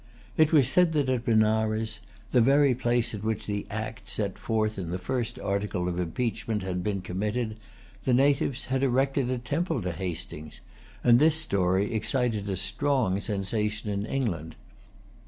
It was said that at Benares, the very place at which the acts set forth in the first article of impeachment had been committed, the natives had erected a temple to Hastings; and this story excited a strong sensation in England.